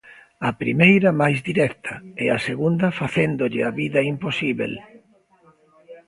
A primeira máis directa e a segunda facéndolle a vida imposíbel.